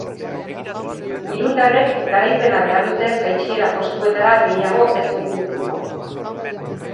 Irundarrek garaipena behar dute jaitsiera postuetara gehiago ez hurbiltzeko.